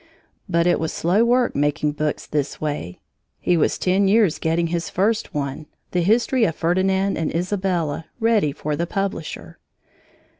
But it was slow work making books this way. He was ten years getting his first one, the history of Ferdinand and Isabella, ready for the publisher.